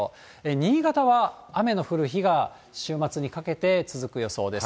新潟は雨の降る日が週末にかけて続く予想です。